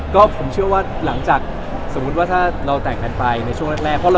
ก็ผมเชื่อว่าหลังจากสมมุติว่าถ้าเราแต่งกันไปในช่วงแรก